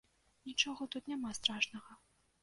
Нічога тут няма страшнага.